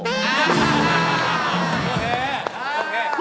แต่ผมก็ใช้โฟมที่พี่โดมใช้นะครับผม